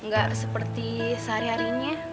gak seperti sehari harinya